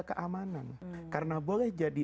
keamanan karena boleh jadi